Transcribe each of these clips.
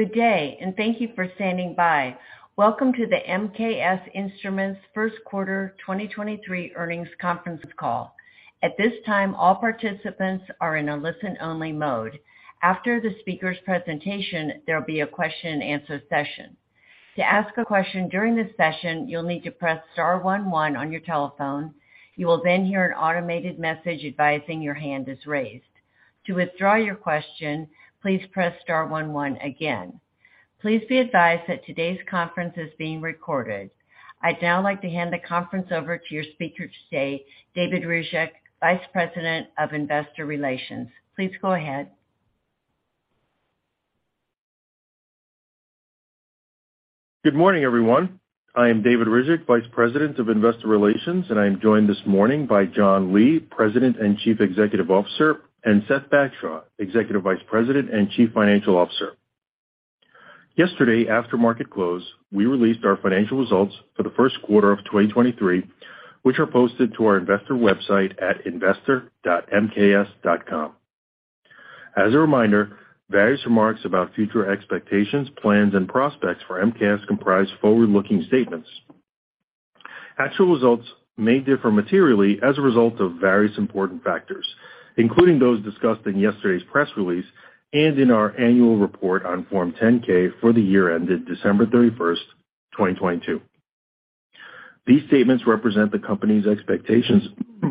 Good day, and thank you for standing by. Welcome to the MKS Instruments Q1 2023 Earnings Conference Call. At this time, all participants are in a listen-only mode. After the speaker's presentation, there'll be a question and answer session. To ask a question during this session, you'll need to press star one one on your telephone. You will then hear an automated message advising your hand is raised. To withdraw your question, please press star one one again. Please be advised that today's conference is being recorded. I'd now like to hand the conference over to your speaker today, David Ryzhik, Vice President, Investor Relations. Please go ahead. Good morning, everyone. I am David Ryzhik, Vice President, Investor Relations, and I am joined this morning by John Lee, President and Chief Executive Officer, and Seth H. Bagshaw, Executive Vice President and Chief Financial Officer. Yesterday, after market close, we released our financial results for the Q1 of 2023, which are posted to our investor website at investor.mks.com. As a reminder, various remarks about future expectations, plans, and prospects for MKS comprise forward-looking statements. Actual results may differ materially as a result of various important factors, including those discussed in yesterday's press release and in our annual report on Form 10-K for the year ended December 31st, 2022. These statements represent the company's expectations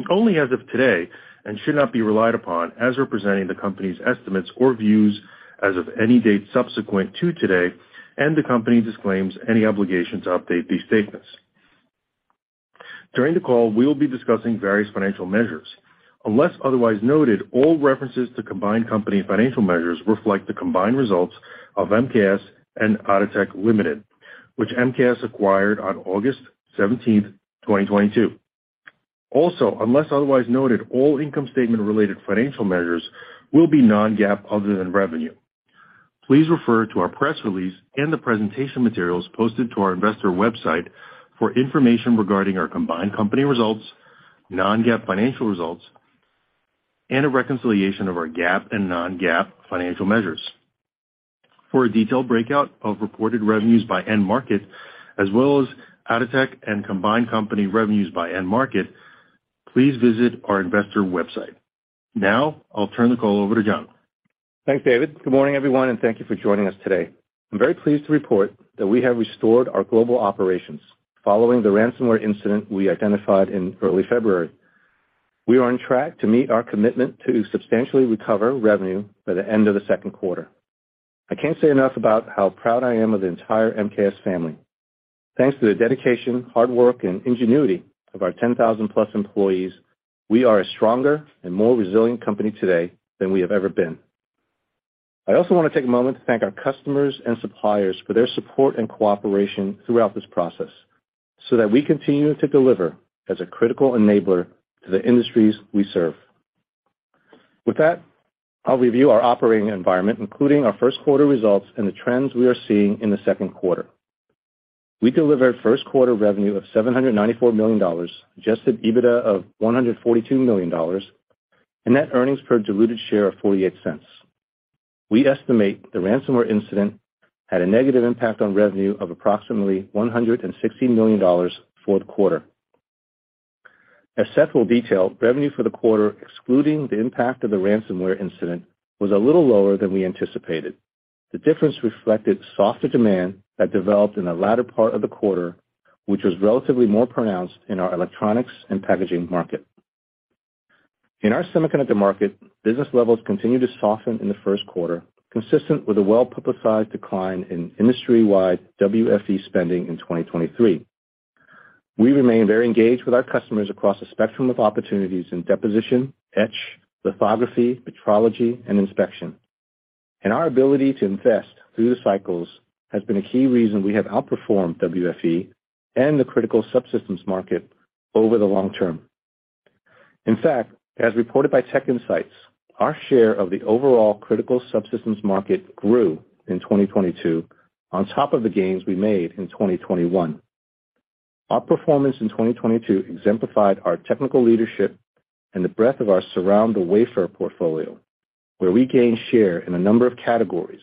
only as of today and should not be relied upon as representing the company's estimates or views as of any date subsequent to today, and the company disclaims any obligation to update these statements. During the call, we will be discussing various financial measures. Unless otherwise noted, all references to combined company financial measures reflect the combined results of MKS and Atotech Limited, which MKS acquired on August 17th, 2022. Also, unless otherwise noted, all income statement-related financial measures will be non-GAAP other than revenue. Please refer to our press release and the presentation materials posted to our investor website for information regarding our combined company results, non-GAAP financial results, and a reconciliation of our GAAP and non-GAAP financial measures. For a detailed breakout of reported revenues by end market, as well as Atotech and combined company revenues by end market, please visit our investor website. I'll turn the call over to John. Thanks, David. Good morning, everyone. Thank you for joining us today. I'm very pleased to report that we have restored our global operations following the ransomware incident we identified in early February. We are on track to meet our commitment to substantially recover revenue by the end of the Q2. I can't say enough about how proud I am of the entire MKS family. Thanks to the dedication, hard work, and ingenuity of our 10,000-plus employees, we are a stronger and more resilient company today than we have ever been. I also wanna take a moment to thank our customers and suppliers for their support and cooperation throughout this process so that we continue to deliver as a critical enabler to the industries we serve. With that, I'll review our operating environment, including our Q1 results and the trends we are seeing in the Q2. We delivered Q1 revenue of $794 million, adjusted EBITDA of $142 million, and net earnings per diluted share of $0.48. We estimate the ransomware incident had a negative impact on revenue of approximately $160 million for the quarter. As Seth will detail, revenue for the quarter, excluding the impact of the ransomware incident, was a little lower than we anticipated. The difference reflected softer demand that developed in the latter part of the quarter, which was relatively more pronounced in our electronics and packaging market. In our semiconductor market, business levels continued to soften in the Q1, consistent with a well-publicized decline in industry-wide WFE spending in 2023. We remain very engaged with our customers across a spectrum of opportunities in deposition, etch, lithography, metrology, and inspection. Our ability to invest through the cycles has been a key reason we have outperformed WFE and the critical subsystems market over the long term. In fact, as reported by TechInsights, our share of the overall critical subsystems market grew in 2022 on top of the gains we made in 2021. Our performance in 2022 exemplified our technical leadership and the breadth of our Surround the Wafer portfolio, where we gained share in a number of categories,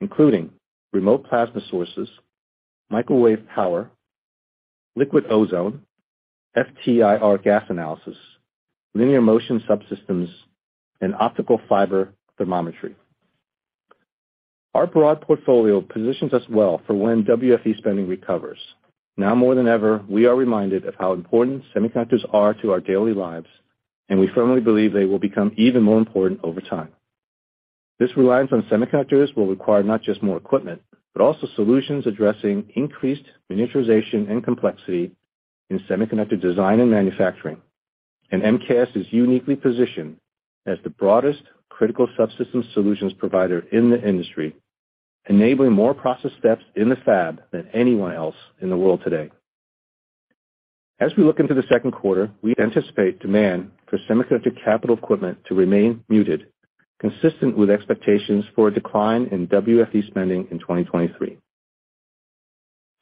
including remote plasma sources, microwave power, dissolved ozone, FTIR gas analysis, linear motion subsystems, and optical fiber thermometry. Our broad portfolio positions us well for when WFE spending recovers. Now more than ever, we are reminded of how important semiconductors are to our daily lives, and we firmly believe they will become even more important over time. This reliance on semiconductors will require not just more equipment, but also solutions addressing increased miniaturization and complexity in semiconductor design and manufacturing. MKS is uniquely positioned as the broadest critical subsystem solutions provider in the industry, enabling more process steps in the fab than anyone else in the world today. As we look into the Q2, we anticipate demand for semiconductor capital equipment to remain muted, consistent with expectations for a decline in WFE spending in 2023.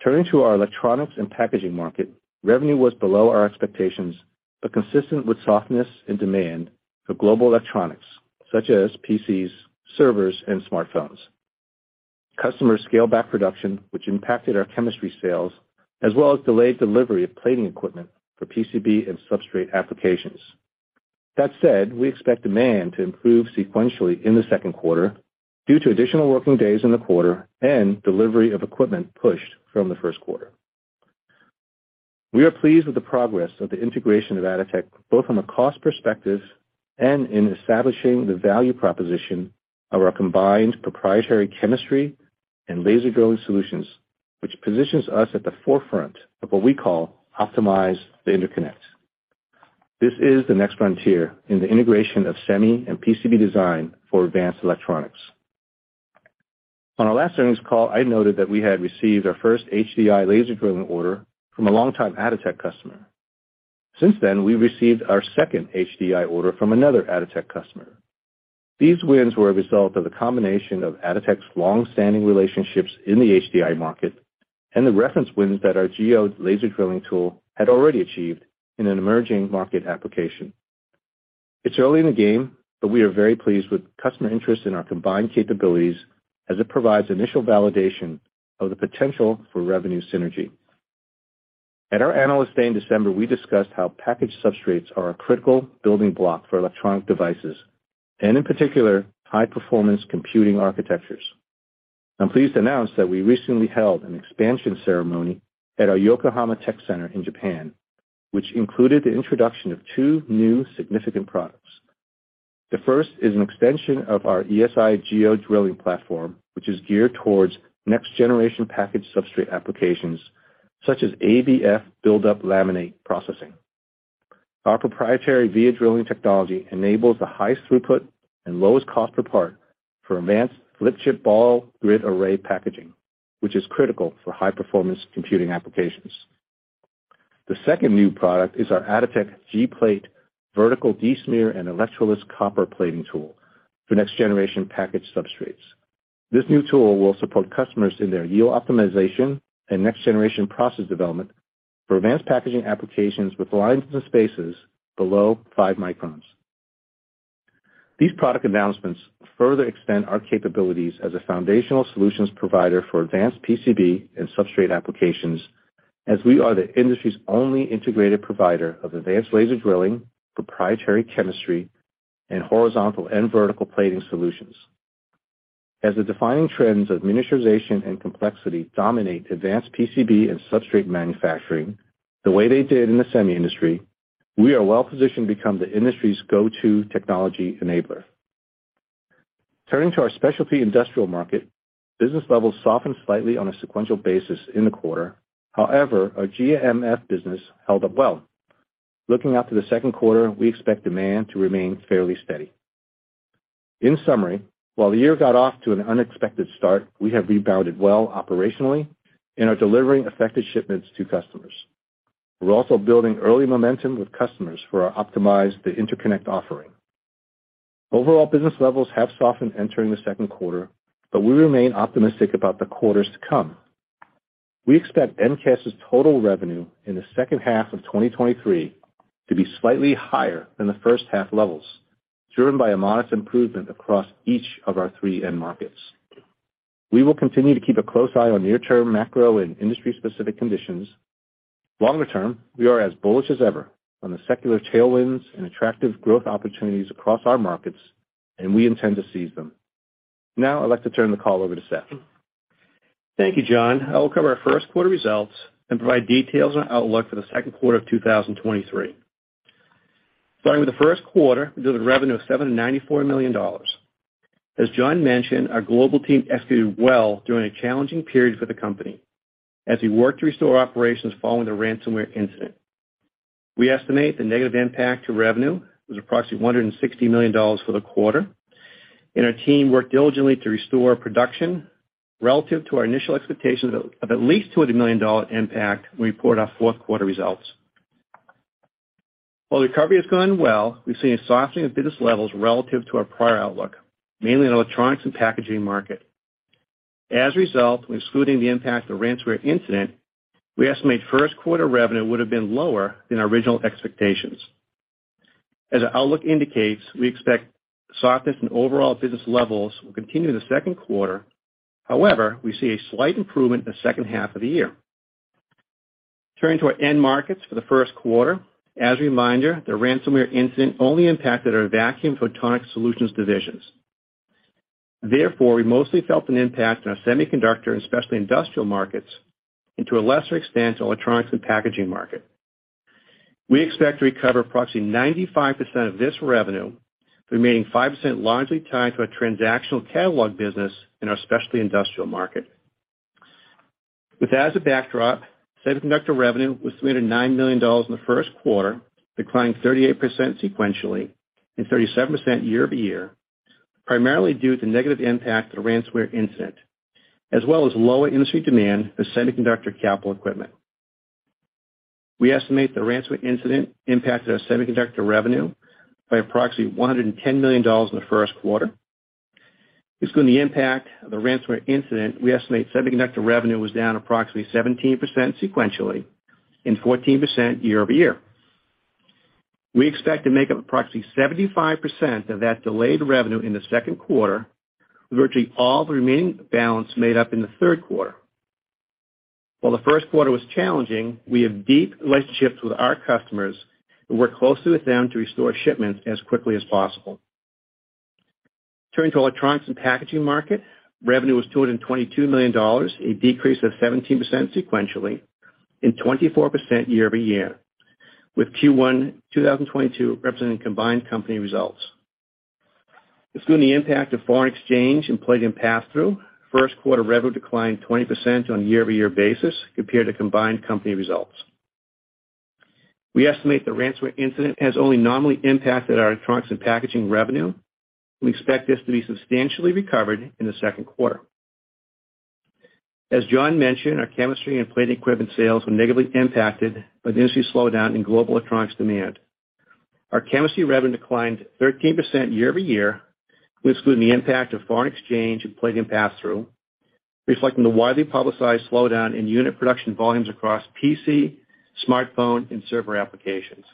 Turning to our electronics and packaging market, revenue was below our expectations, but consistent with softness and demand for global electronics such as PCs, servers, and smartphones. Customer scaled back production, which impacted our chemistry sales, as well as delayed delivery of plating equipment for PCB and substrate applications. That said, we expect demand to improve sequentially in the Q2 due to additional working days in the quarter and delivery of equipment pushed from the Q1. We are pleased with the progress of the integration of Atotech, both from a cost perspective and in establishing the value proposition of our combined proprietary chemistry and laser drilling solutions, which positions us at the forefront of what we call Optimize the Interconnect. This is the next frontier in the integration of semi and PCB design for advanced electronics. On our last earnings call, I noted that we had received our first HDI laser drilling order from a long-time Atotech customer. We received our second HDI order from another Atotech customer. These wins were a result of the combination of Atotech's long-standing relationships in the HDI market and the reference wins that our Geode laser drilling tool had already achieved in an emerging market application. It's early in the game, but we are very pleased with customer interest in our combined capabilities as it provides initial validation of the potential for revenue synergy. At our Analyst Day in December, we discussed how package substrates are a critical building block for electronic devices, and in particular, high-performance computing architectures. I'm pleased to announce that we recently held an expansion ceremony at our Yokohama Tech Center in Japan, which included the introduction of two new significant products. The first is an extension of our ESI Geode drilling platform, which is geared towards next generation package substrate applications such as ABF buildup laminate processing. Our proprietary via drilling technology enables the highest throughput and lowest cost per part for advanced flip chip ball grid array packaging, which is critical for high-performance computing applications. The second new product is our Atotech G-Plate vertical desmear and electroless copper plating tool for next generation package substrates. This new tool will support customers in their yield optimization and next generation process development for advanced packaging applications with lines and spaces below five microns. These product announcements further extend our capabilities as a foundational solutions provider for advanced PCB and substrate applications, as we are the industry's only integrated provider of advanced laser drilling, proprietary chemistry, and horizontal and vertical plating solutions. The defining trends of miniaturization and complexity dominate advanced PCB and substrate manufacturing the way they did in the semi industry, we are well positioned to become the industry's go-to technology enabler. Turning to our specialty industrial market, business levels softened slightly on a sequential basis in the quarter. However, our GMF business held up well. Looking out to the Q2, we expect demand to remain fairly steady. In summary, while the year got off to an unexpected start, we have rebounded well operationally and are delivering effective shipments to customers. We're also building early momentum with customers for our Optimize the Interconnect offering. Overall business levels have softened entering the Q2, but we remain optimistic about the quarters to come. We expect MKS's total revenue in the second half of 2023 to be slightly higher than the first half levels, driven by a modest improvement across each of our three end markets. We will continue to keep a close eye on near-term macro and industry-specific conditions. Longer term, we are as bullish as ever on the secular tailwinds and attractive growth opportunities across our markets, and we intend to seize them. Now I'd like to turn the call over to Seth. Thank you, John. I will cover our Q1 results and provide details on outlook for the Q2 of 2023. Starting with the Q1, we delivered revenue of $794 million. As John mentioned, our global team executed well during a challenging period for the company as we worked to restore operations following the ransomware incident. We estimate the negative impact to revenue was approximately $160 million for the quarter, and our team worked diligently to restore production relative to our initial expectations of at least $200 million impact we reported our Q4 results. While recovery has gone well, we've seen a softening of business levels relative to our prior outlook, mainly in electronics and packaging market. As a result, when excluding the impact of the ransomware incident, we estimate Q1 revenue would have been lower than our original expectations. As our outlook indicates, we expect softness in overall business levels will continue in the Q2. However, we see a slight improvement in the second half of the year. Turning to our end markets for the Q1, as a reminder, the ransomware incident only impacted our Vacuum & Photonics Solutions divisions. Therefore, we mostly felt an impact on our semiconductor and specialty industrial markets and to a lesser extent, electronics and packaging market. We expect to recover approximately 95% of this revenue, the remaining 5% largely tied to our transactional catalog business in our specialty industrial market. With that as a backdrop, semiconductor revenue was $309 million in the Q1, declining 38% sequentially and 37% year-over-year, primarily due to negative impact of the ransomware incident, as well as lower industry demand for semiconductor capital equipment. We estimate the ransomware incident impacted our semiconductor revenue by approximately $110 million in the Q1. Excluding the impact of the ransomware incident, we estimate semiconductor revenue was down approximately 17% sequentially and 14% year-over-year. We expect to make up approximately 75% of that delayed revenue in the Q2, with virtually all the remaining balance made up in the Q3. While the Q1 was challenging, we have deep relationships with our customers and work closely with them to restore shipments as quickly as possible. Turning to electronics and packaging market, revenue was $222 million, a decrease of 17% sequentially and 24% year-over-year, with Q1 2022 representing combined company results. Excluding the impact of foreign exchange and platinum pass-through, Q1 revenue declined 20% on a year-over-year basis compared to combined company results. We estimate the ransomware incident has only nominally impacted our electronics and packaging revenue. We expect this to be substantially recovered in the Q2. As John mentioned, our chemistry and plate equipment sales were negatively impacted by the industry slowdown in global electronics demand. Our chemistry revenue declined 13% year-over-year, excluding the impact of foreign exchange and platinum pass-through, reflecting the widely publicized slowdown in unit production volumes across PC, smartphone, and server applications.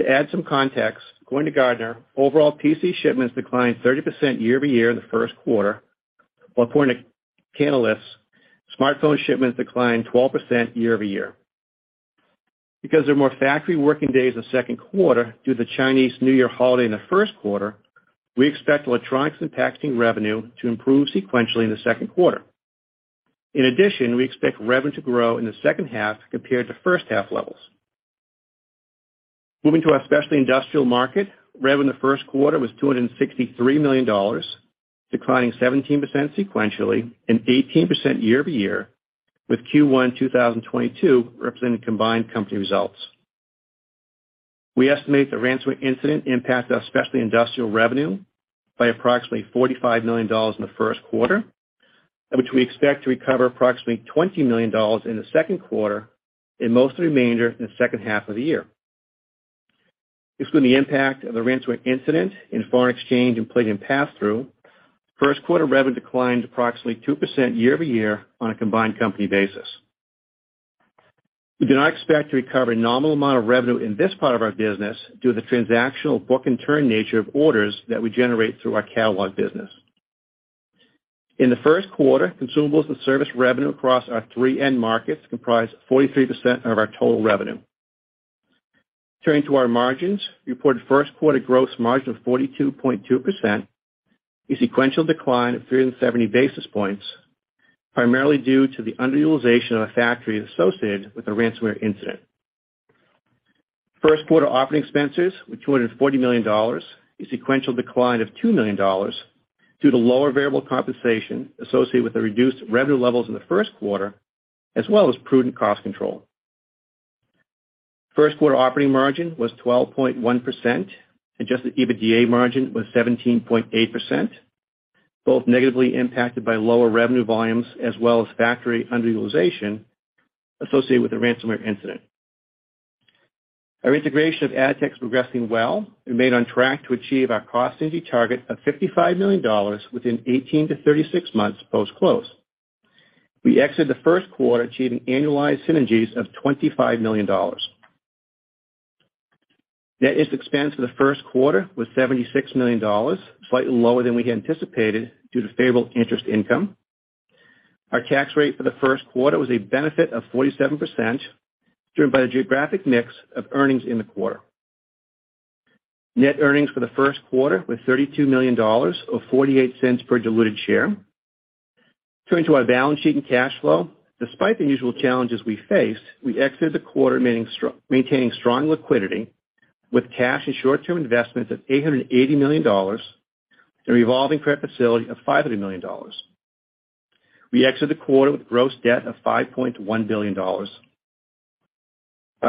To add some context, according to Gartner, overall PC shipments declined 30% year-over-year in the Q1, while according to Canalys, smartphone shipments declined 12% year-over-year. Because there are more factory working days in the Q2 due to the Chinese New Year holiday in the Q1, we expect electronics and packaging revenue to improve sequentially in the Q2. We expect revenue to grow in the second half compared to first half levels. Moving to our specialty industrial market, revenue in the Q1 was $263 million, declining 17% sequentially and 18% year-over-year, with Q1 2022 representing combined company results. We estimate the ransomware incident impacted our specialty industrial revenue by approximately $45 million in the Q1, of which we expect to recover approximately $20 million in the Q2 and most of the remainder in the second half of the year. Excluding the impact of the ransomware incident in foreign exchange and platinum pass-through, Q1 revenue declined approximately 2% year-over-year on a combined company basis. We do not expect to recover a nominal amount of revenue in this part of our business due to the transactional book and turn nature of orders that we generate through our catalog business. In the Q1, consumables and service revenue across our three end markets comprised 43% of our total revenue. Turning to our margins, we reported Q1 gross margin of 42.2%, a sequential decline of 370 basis points, primarily due to the underutilization of our factory associated with the ransomware incident. Q1 operating expenses were $240 million, a sequential decline of $2 million due to lower variable compensation associated with the reduced revenue levels in the Q1, as well as prudent cost control. Q1 operating margin was 12.1%. Adjusted EBITDA margin was 17.8%, both negatively impacted by lower revenue volumes as well as factory underutilization associated with the ransomware incident. Our integration of Atotech is progressing well and made on track to achieve our cost synergy target of $55 million within 18-36 months post-close. We exit the Q1 achieving annualized synergies of $25 million. Net interest expense for the Q1 was $76 million, slightly lower than we had anticipated due to favorable interest income. Our tax rate for the Q1 was a benefit of 47%, driven by the geographic mix of earnings in the quarter. Net earnings for the Q1 was $32 million, or $0.48 per diluted share. Turning to our balance sheet and cash flow, despite the usual challenges we faced, we exited the quarter maintaining strong liquidity with cash and short-term investments of $880 million and a revolving credit facility of $500 million. We exited the quarter with gross debt of $5.1 billion. Our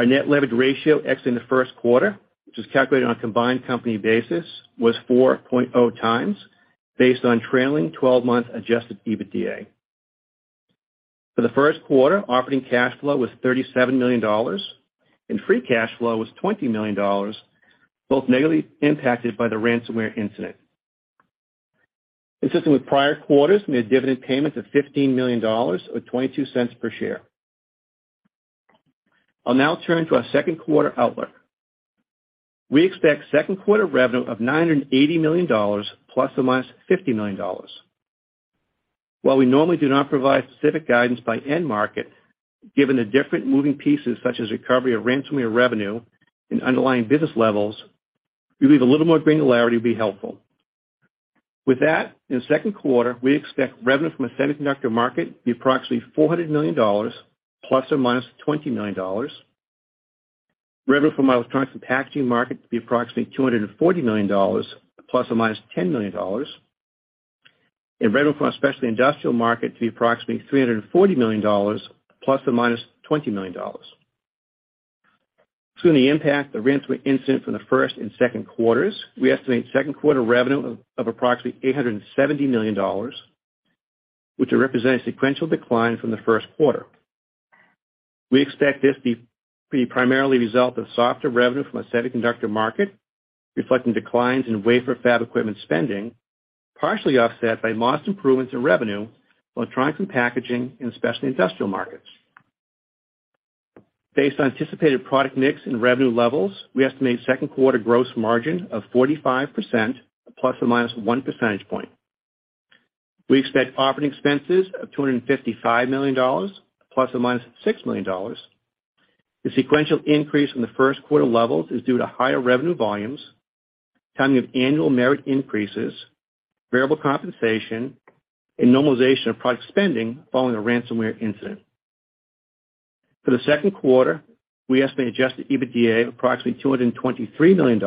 net levered ratio exiting the Q1, which is calculated on a combined company basis, was 4.0x based on trailing twelve-month adjusted EBITDA. For the Q1, operating cash flow was $37 million and free cash flow was $20 million, both negatively impacted by the ransomware incident. Consistent with prior quarters, we made dividend payments of $15 million, or $0.22 per share. I'll now turn to our Q2 outlook. We expect Q2 revenue of $980 million plus or minus $50 million. While we normally do not provide specific guidance by end market, given the different moving pieces such as recovery of ransomware revenue and underlying business levels, we believe a little more granularity would be helpful. With that, in the Q2, we expect revenue from the semiconductor market to be approximately $400 million plus or minus $20 million, revenue from our electronics and packaging market to be approximately $240 million plus or minus $10 million, and revenue from our specialty industrial market to be approximately $340 million plus or minus $20 million. Including the impact of the ransomware incident from the first and Q2s, we estimate Q2 revenue of approximately $870 million, which will represent a sequential decline from the Q1. We expect this to be primarily result of softer revenue from a semiconductor market, reflecting declines in wafer fab equipment spending, partially offset by modest improvements in revenue on trends from packaging and specialty industrial markets. Based on anticipated product mix and revenue levels, we estimate Q2 gross margin of 45% plus or minus one percentage point. We expect operating expenses of $255 million plus or minus$6 million. The sequential increase in the Q1 levels is due to higher revenue volumes, timing of annual merit increases, variable compensation, and normalization of product spending following a ransomware incident. For the Q2, we estimate adjusted EBITDA of approximately $223 million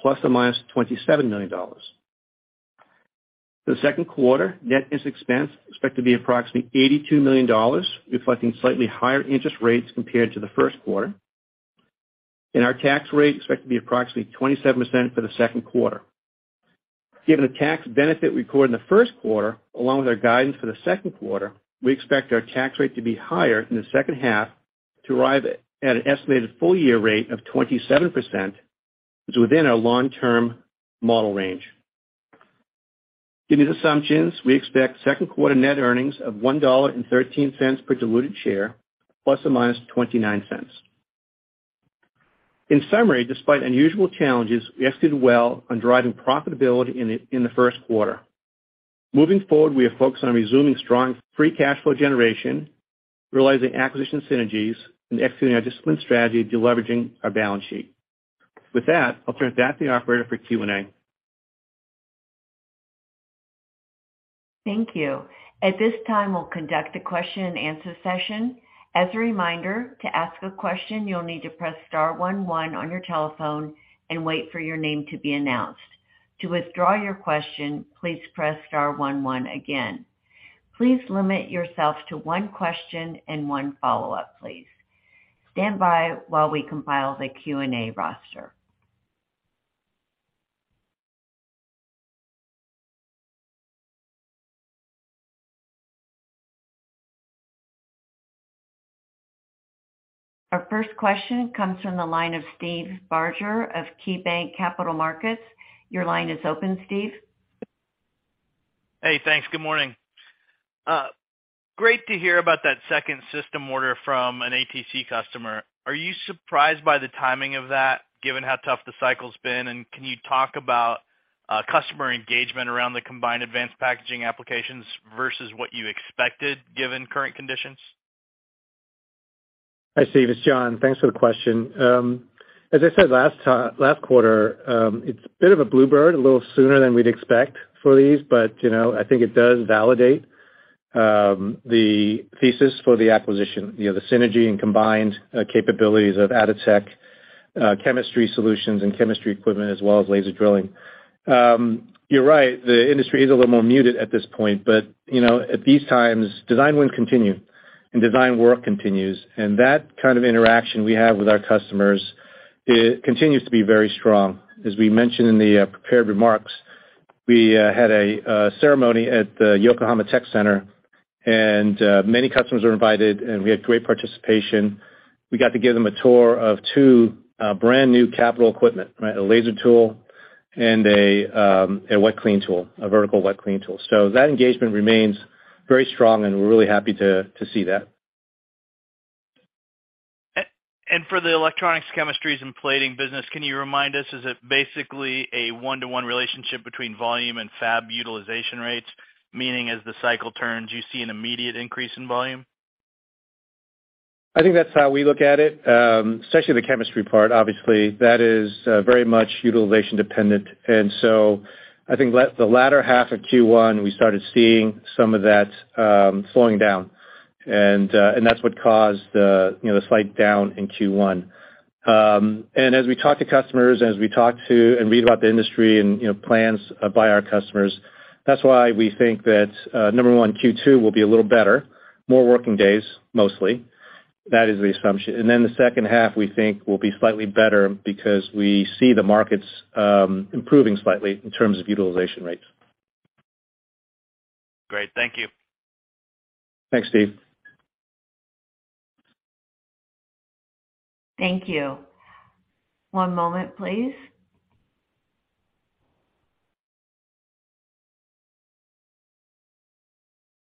plus or minus$27 million. For the Q2, net interest expense expected to be approximately $82 million, reflecting slightly higher interest rates compared to the Q1. Our tax rate is expected to be approximately 27% for the Q2. Given the tax benefit we recorded in the Q1, along with our guidance for the Q2, we expect our tax rate to be higher in the second half to arrive at an estimated full-year rate of 27%, which is within our long-term model range. Given these assumptions, we expect Q2 net earnings of $1.13 per diluted share, plus or minus $0.29. In summary, despite unusual challenges, we executed well on driving profitability in the Q1. Moving forward, we are focused on resuming strong free cash flow generation, realizing acquisition synergies, and executing our disciplined strategy of deleveraging our balance sheet. With that, I'll turn it back to the operator for Q&A. Thank you. At this time, we'll conduct a question and answer session. As a reminder, to ask a question, you'll need to press star one one on your telephone and wait for your name to be announced. To withdraw your question, please press star one one again. Please limit yourself to one question and one follow-up, please. Stand by while we compile the Q&A roster. Our first question comes from the line of Steve Barger of KeyBanc Capital Markets. Your line is open, Steve. Hey, thanks. Good morning. Great to hear about that second system order from an Atotech customer. Are you surprised by the timing of that, given how tough the cycle's been? Can you talk about customer engagement around the combined advanced packaging applications versus what you expected, given current conditions? Hi, Steve. It's John. Thanks for the question. As I said last quarter, it's a bit of a blue bird, a little sooner than we'd expect for these, but you know, I think it does validate the thesis for the acquisition. You know, the synergy and combined capabilities of Atotech, chemistry solutions and chemistry equipment, as well as laser drilling. You're right. The industry is a little more muted at this point, but, you know, at these times, design wins continue and design work continues. That kind of interaction we have with our customers, it continues to be very strong. As we mentioned in the prepared remarks, we had a ceremony at the Yokohama Tech Center, and many customers were invited, and we had great participation. We got to give them a tour of two brand-new capital equipment. Right? A laser tool and a wet clean tool, a vertical wet clean tool. That engagement remains very strong, and we're really happy to see that. For the electronics chemistries and plating business, can you remind us, is it basically a one-to-one relationship between volume and fab utilization rates? Meaning, as the cycle turns, you see an immediate increase in volume? I think that's how we look at it, especially the chemistry part. Obviously, that is very much utilization-dependent. I think the latter half of Q1, we started seeing some of that slowing down. That's what caused the, you know, the slight down in Q1. As we talk to customers, as we talk to and read about the industry and, you know, plans by our customers, that's why we think that number one, Q2 will be a little better. More working days, mostly. That is the assumption. The second half we think will be slightly better because we see the markets improving slightly in terms of utilization rates. Great. Thank you. Thanks, Steve. Thank you. One moment, please.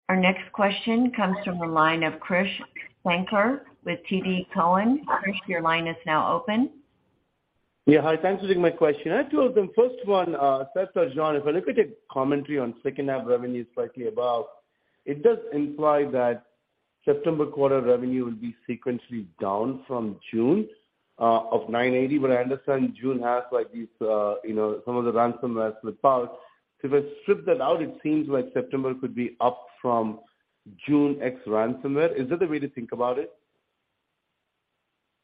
Our next question comes from the line of Krish Sankar with TD Cowen. Krish, your line is now open. Yeah. Hi. Thanks for taking my question. I have two of them. First one, Seth or John, if I look at your commentary on second half revenue slightly above, it does imply that September quarter revenue will be sequentially down from June, of $980, but I understand June has like these, you know, some of the ransomware slip out. If I strip that out, it seems like September could be up from June ex-ransomware. Is that the way to think about it?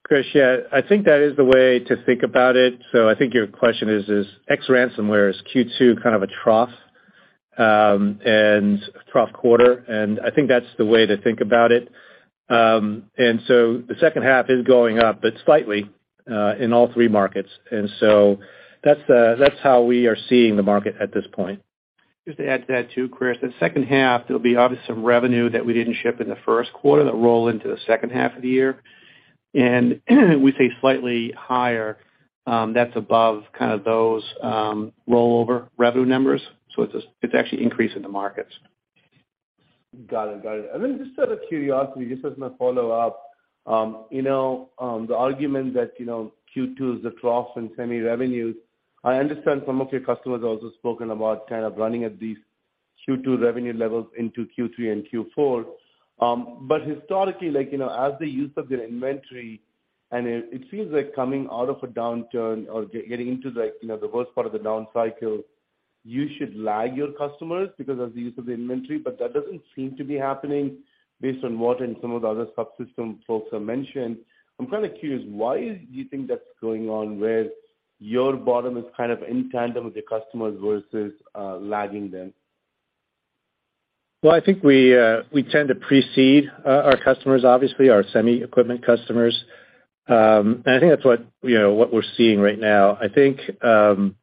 Krish, yeah. I think that is the way to think about it. I think your question is ex-ransomware is Q2 kind of a trough? Trough quarter, I think that's the way to think about it. The second half is going up, but slightly, in all three markets. That's how we are seeing the market at this point. Just to add to that too, Krish, the second half, there'll be obviously some revenue that we didn't ship in the Q1 that roll into the second half of the year. We say slightly higher, that's above kind of those rollover revenue numbers. It's just, it's actually increasing the markets. Got it. Got it. Just out of curiosity, just as my follow-up, you know, the argument that, you know, Q2 is a trough in semi-revenues, I understand some of your customers have also spoken about kind of running at these Q2 revenue levels into Q3 and Q4. Historically, like, you know, as the use of their inventory, and it feels like coming out of a downturn or getting into, like, you know, the worst part of the down cycle, you should lag your customers because of the use of the inventory. That doesn't seem to be happening based on what and some of the other subsystem folks have mentioned. I'm kind of curious, why do you think that's going on where your bottom is kind of in tandem with your customers versus lagging them? Well, I think we tend to precede our customers, obviously, our semi equipment customers. I think that's what, you know, what we're seeing right now. I think, you know,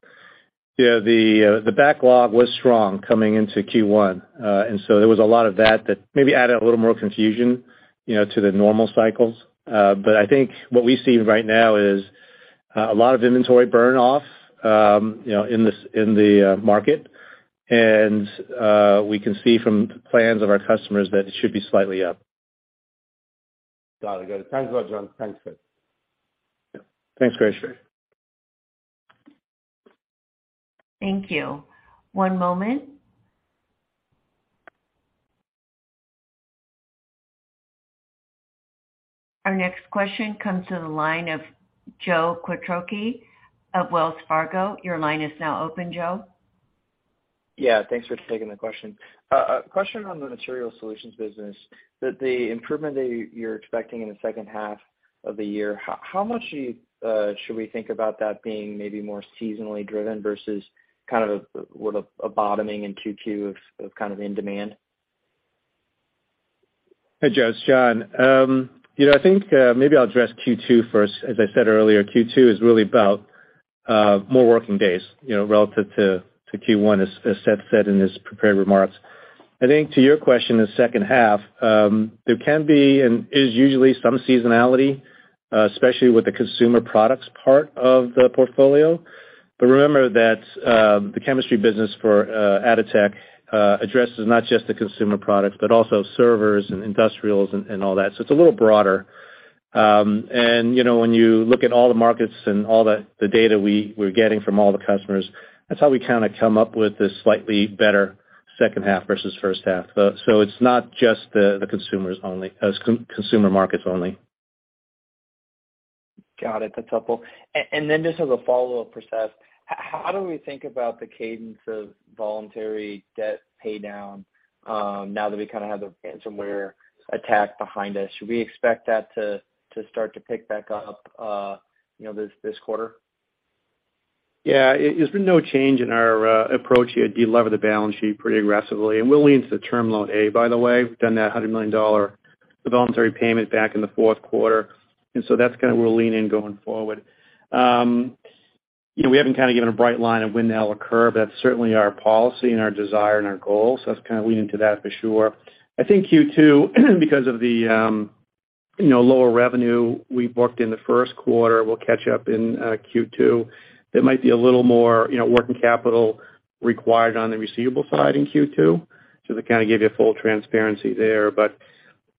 the backlog was strong coming into Q1. There was a lot of that maybe added a little more confusion, you know, to the normal cycles. I think what we see right now is a lot of inventory burn off, you know, in the market. We can see from plans of our customers that it should be slightly up. Got it. Thanks a lot, John. Yeah. Thanks, Krish. Thank you. One moment. Our next question comes to the line of Joe Quattrocchi of Wells Fargo. Your line is now open, Joe. Yeah, thanks for taking the question. A question on the Material Solutions business, that the improvement that you're expecting in the second half of the year, how much do you should we think about that being maybe more seasonally driven versus kind of a little a bottoming in Q2 of kind of in demand? Hey, Joe, it's John. you know, I think, maybe I'll address Q2 first. As I said earlier, Q2 is really about more working days, you know, relative to Q1, as Seth said in his prepared remarks. I think to your question, the second half, there can be and is usually some seasonality, especially with the consumer products part of the portfolio. Remember that the chemistry business for Atotech addresses not just the consumer products, but also servers and industrials and all that. It's a little broader. you know, when you look at all the markets and all the data we're getting from all the customers, that's how we kind of come up with this slightly better second half versus first half. It's not just the consumers only, consumer markets only. Got it. That's helpful. Then just as a follow-up for Seth, how do we think about the cadence of voluntary debt pay down, now that we kind of have the ransomware attack behind us? Should we expect that to start to pick back up, you know, this quarter? Yeah. It has been no change in our approach to delever the balance sheet pretty aggressively. We'll lean to the Term Loan A, by the way. We've done that $100 million, the voluntary payment back in the Q4, that's kind of we're leaning in going forward. You know, we haven't kind of given a bright line of when that'll occur, but that's certainly our policy and our desire and our goal. That's kind of leaning to that for sure. I think Q2, because of the, you know, lower revenue we booked in the Q1, we'll catch up in Q2. There might be a little more, you know, working capital required on the receivable side in Q2. Just to kind of give you full transparency there.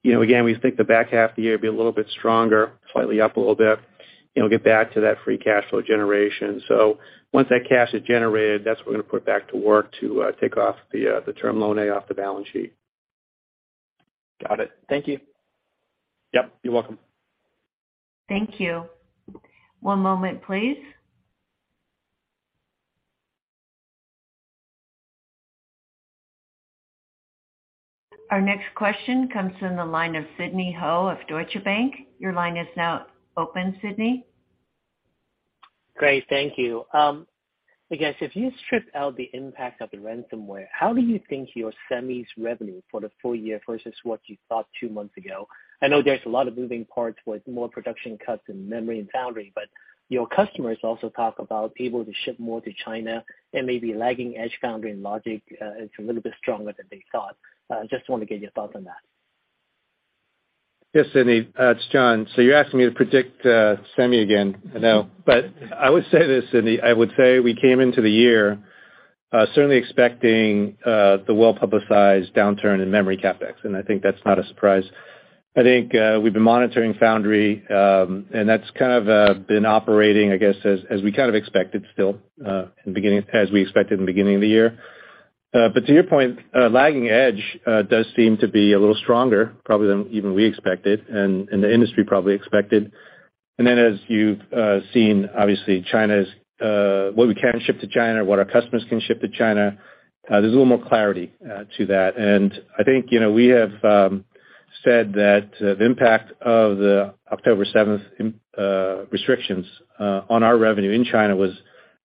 You know, again, we think the back half of the year will be a little bit stronger, slightly up a little bit. You know, get back to that free cash flow generation. Once that cash is generated, that's when we're gonna put back to work to take off the Term Loan A off the balance sheet. Got it. Thank you. Yep, you're welcome. Thank you. One moment, please. Our next question comes from the line of Sidney Ho of Deutsche Bank. Your line is now open, Sidney. Great. Thank you. I guess if you strip out the impact of the ransomware, how do you think your semi's revenue for the full year versus what you thought two months ago? I know there's a lot of moving parts with more production cuts in memory and foundry, but your customers also talk about able to ship more to China and maybe lagging edge foundry and logic, it's a little bit stronger than they thought. Just want to get your thoughts on that. Yes, Sidney. It's John. You're asking me to predict semi again. I know. I would say this, Sidney, I would say we came into the year certainly expecting the well-publicized downturn in memory CapEx, and I think that's not a surprise. I think we've been monitoring foundry, that's kind of been operating, I guess, as we kind of expected still in the beginning, as we expected in the beginning of the year. To your point, lagging edge does seem to be a little stronger probably than even we expected and the industry probably expected. As you've seen, obviously, China's what we can ship to China, what our customers can ship to China, there's a little more clarity to that. I think, you know, we have said that the impact of the October 7th restrictions on our revenue in China was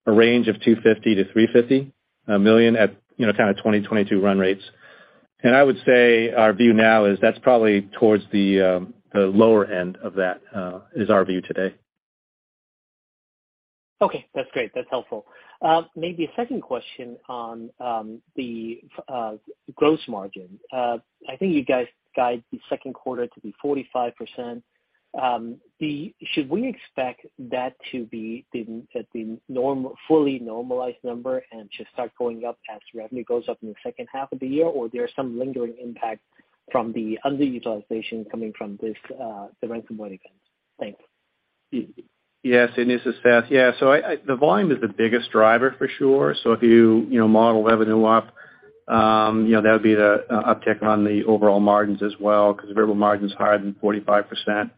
a range of $250 million-$350 million at, you know, kind of 2022 run rates. I would say our view now is that's probably towards the lower end of that is our view today. Okay, that's great. That's helpful. Maybe a second question on the gross margin. I think you guys guide the Q2 to be 45%. Should we expect that to be the fully normalized number and to start going up as revenue goes up in the second half of the year? There are some lingering impacts from the underutilization coming from this, the ransomware events. Thanks. Yes. This is Seth. The volume is the biggest driver for sure. If you know, model revenue up, you know, that would be the uptick on the overall margins as well, because variable margin's higher than 45%.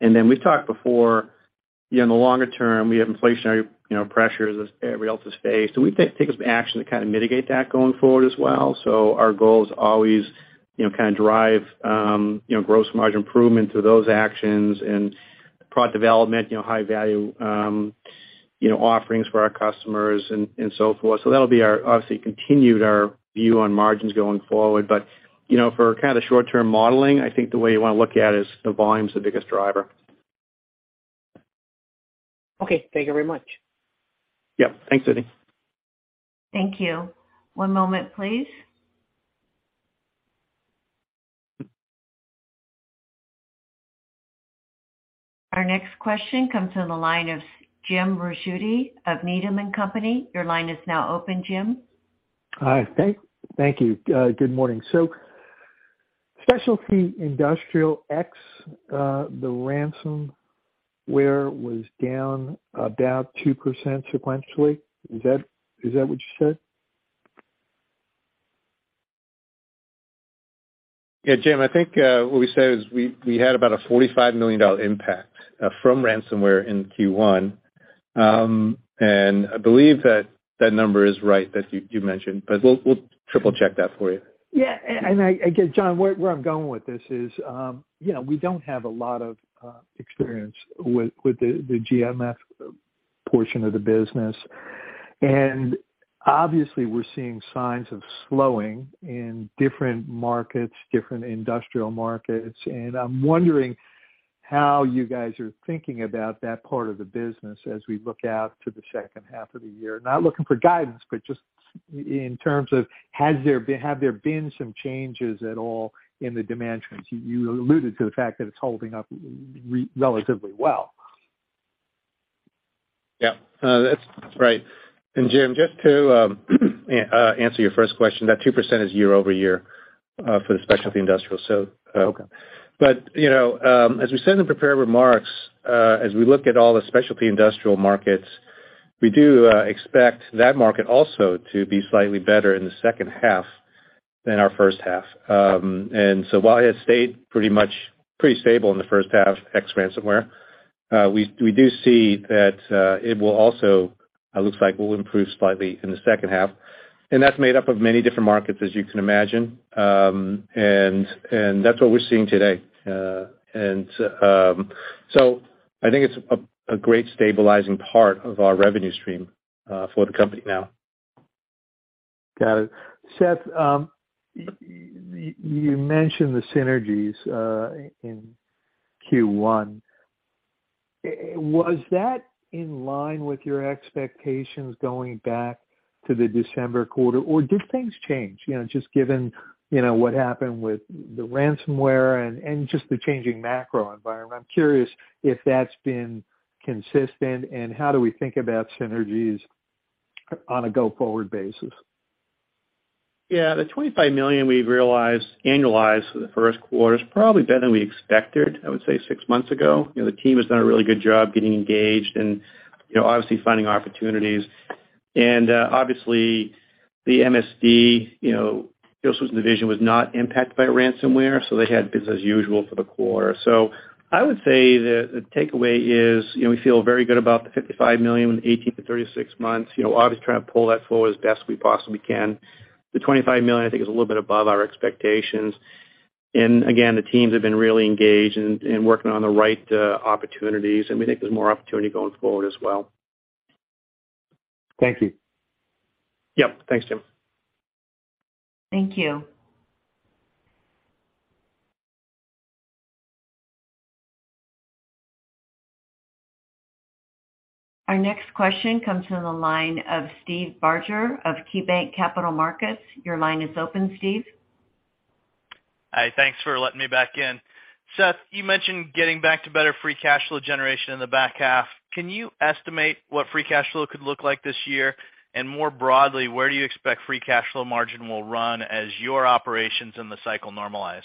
We've talked before, you know, in the longer term, we have inflationary, you know, pressures as everybody else has faced. We take some action to kind of mitigate that going forward as well. Our goal is always, you know, kind of drive, you know, gross margin improvement to those actions and product development, you know, high value, you know, offerings for our customers and so forth. That'll be our, obviously continued our view on margins going forward. you know, for kind of the short term modeling, I think the way you wanna look at is the volume's the biggest driver. Okay. Thank you very much. Yep. Thanks, Sidney. Thank you. One moment please. Our next question comes from the line of James Ricchiuti of Needham & Company. Your line is now open, Jim. Hi. Thank you. Good morning. Specialty industrial the ransomware was down about 2% sequentially. Is that what you said? Yeah, Jim, I think, what we said is we had about a $45 million impact from ransomware in Q1. I believe that that number is right that you mentioned, but we'll triple check that for you. Yeah. I, again, John, where I'm going with this is, you know, we don't have a lot of experience with the GMF portion of the business. Obviously we're seeing signs of slowing in different markets, different industrial markets. I'm wondering how you guys are thinking about that part of the business as we look out to the second half of the year. Not looking for guidance, but just in terms of have there been some changes at all in the demand trends? You alluded to the fact that it's holding up relatively well. Yeah. No, that's right. Jim, just to answer your first question, that 2% is year-over-year for the specialty industrial. Okay. you know, as we said in the prepared remarks, as we look at all the specialty industrial markets, we do expect that market also to be slightly better in the second half than our first half. While it stayed pretty much pretty stable in the first half, ex ransomware, we do see that, it will also, it looks like will improve slightly in the second half. That's made up of many different markets, as you can imagine. That's what we're seeing today. I think it's a great stabilizing part of our revenue stream for the company now. Got it. Seth, you mentioned the synergies in Q1. Was that in line with your expectations going back to the December quarter, or did things change? You know, just given, you know, what happened with the ransomware and just the changing macro environment. I'm curious if that's been consistent and how do we think about synergies on a go-forward basis? The $25 million we've realized annualized for the Q1 is probably better than we expected, I would say 6 months ago. You know, the team has done a really good job getting engaged and, you know, obviously finding opportunities. Obviously the MSD, you know, Hill-Smith division was not impacted by ransomware, they had business as usual for the quarter. I would say that the takeaway is, you know, we feel very good about the $55 million in 18-36 months. You know, obviously trying to pull that forward as best we possibly can. The $25 million I think is a little bit above our expectations. Again, the teams have been really engaged in working on the right opportunities, and we think there's more opportunity going forward as well. Thank you. Yep. Thanks, Jim. Thank you. Our next question comes from the line of Steve Barger of KeyBanc Capital Markets. Your line is open, Steve. Hi. Thanks for letting me back in. Seth, you mentioned getting back to better free cash flow generation in the back half. Can you estimate what free cash flow could look like this year? More broadly, where do you expect free cash flow margin will run as your operations in the cycle normalize?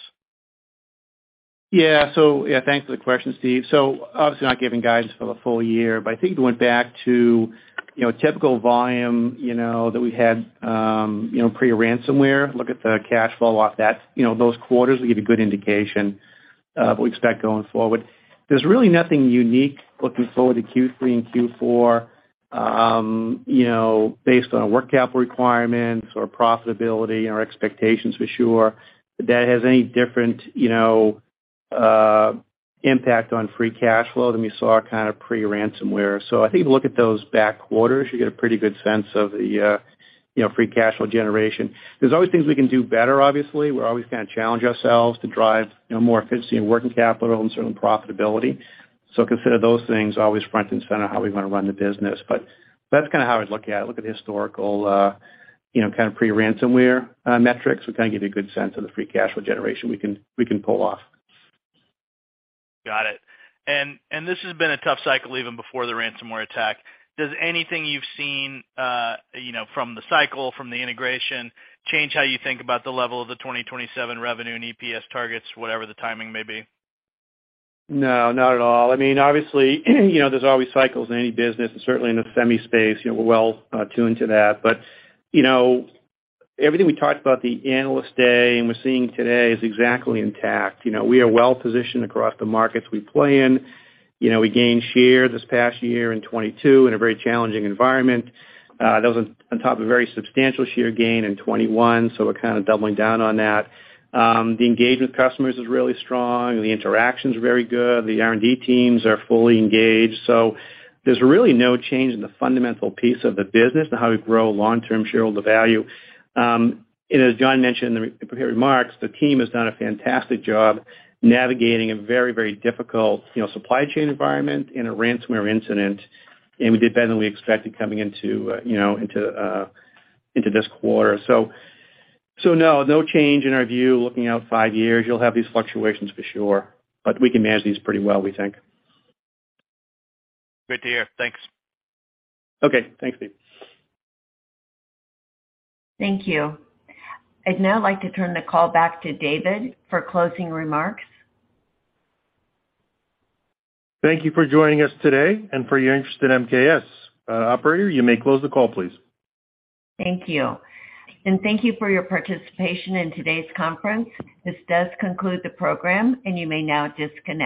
Yeah. Yeah, thanks for the question, Steve. Obviously not giving guidance for the full year, but I think if you went back to, you know, typical volume, you know, that we had, you know, pre-ransomware, look at the cash flow off that, you know, those quarters will give you a good indication. We expect going forward. There's really nothing unique looking forward to Q3 and Q4, you know, based on our work capital requirements or profitability and our expectations for sure, that has any different, you know, impact on free cash flow than we saw kind of pre-ransomware. I think look at those back quarters, you get a pretty good sense of the, you know, free cash flow generation. There's always things we can do better obviously. We're always gonna challenge ourselves to drive, you know, more efficiency in working capital and certainly profitability. Consider those things always front and center how we wanna run the business. That's kinda how I was looking at it. Look at historical, you know, kind of pre-ransomware metrics. We kinda give you a good sense of the free cash flow generation we can pull off. Got it. This has been a tough cycle even before the ransomware attack. Does anything you've seen, you know, from the cycle, from the integration change how you think about the level of the 2027 revenue and EPS targets, whatever the timing may be? No, not at all. I mean, obviously, you know, there's always cycles in any business and certainly in the semi space, you know, we're well tuned to that. You know, everything we talked about the analyst day and we're seeing today is exactly intact. You know, we are well positioned across the markets we play in. You know, we gained share this past year in 22 in a very challenging environment. That was on top of very substantial share gain in 21, we're kinda doubling down on that. The engagement with customers is really strong. The interaction's very good. The R&D teams are fully engaged. There's really no change in the fundamental piece of the business and how we grow long-term shareholder value. As John mentioned in the prepared remarks, the team has done a fantastic job navigating a very, very difficult, you know, supply chain environment in a ransomware incident. We did better than we expected coming into, you know, into this quarter. No change in our view looking out five years. You'll have these fluctuations for sure, but we can manage these pretty well, we think. Great to hear. Thanks. Okay. Thanks, Steve. Thank you. I'd now like to turn the call back to David for closing remarks. Thank you for joining us today and for your interest in MKS. Operator, you may close the call, please. Thank you. Thank you for your participation in today's conference. This does conclude the program, and you may now disconnect.